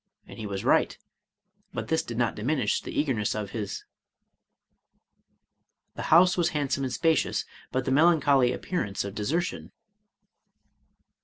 — ^And he was right; but this did not diminish the eagerness of his ....••.•• The house was handsome and spacious, but the melancholy appearance of desertion